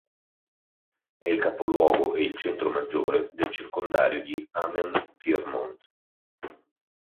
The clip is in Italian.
È il capoluogo, e il centro maggiore, del circondario di Hameln-Pyrmont.